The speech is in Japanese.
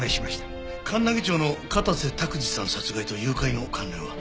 神奈木町の片瀬卓治さん殺害と誘拐の関連は？